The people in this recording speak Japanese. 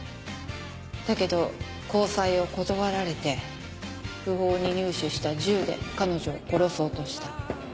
だけど交際を断られて不法に入手した銃で彼女を殺そうとした。